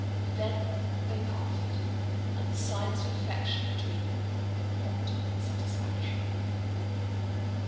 Then they parted, and the signs of affection between them were not satisfactory.